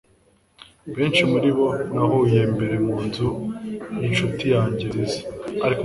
Benshi muribo nahuye mbere munzu yinshuti yanjye nziza,